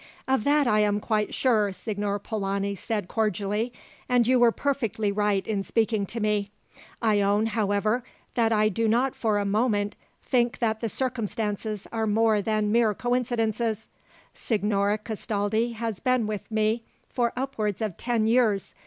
"Of that I am quite sure," Signor Polani said cordially, "and you were perfectly right in speaking to me. I own, however, that I do not for a moment think that the circumstances are more than mere coincidences. Signora Castaldi has been with me for upwards of ten years.